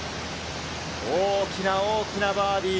大きな大きなバーディー！